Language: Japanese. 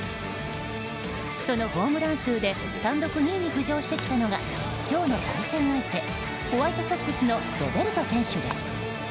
そのホームラン数で単独２位に浮上してきたのが今日の対戦相手ホワイトソックスのロベルト選手です。